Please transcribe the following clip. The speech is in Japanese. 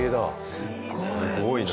すごい！何？